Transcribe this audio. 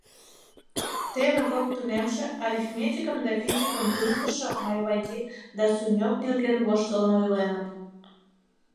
Теве кок тунемше арифметикым да физикым туныктышо Майвади да Суньог нерген воштылын ойленыт.